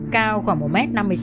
cao khoảng một m năm mươi sáu